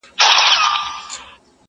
هري درې مياشتي ميدان كي غونډېدله؛